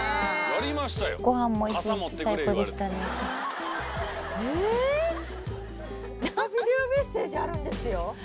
またビデオメッセージあるんですよ。